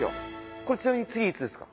これちなみに次いつですか？